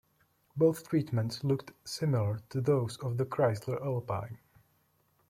Both treatments looked similar to those of the Chrysler Alpine.